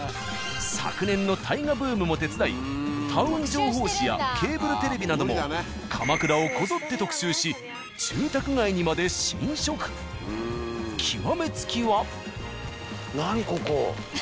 昨年の大河ブームも手伝いタウン情報誌やケーブルテレビなども鎌倉をこぞって特集し極め付きは。